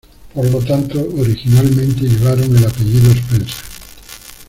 Por lo tanto originalmente llevaron el apellido Spencer.